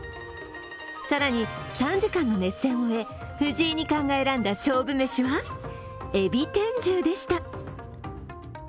更に３時間の熱戦を終え、藤井二冠が選んだ勝負めしは海老天重でした。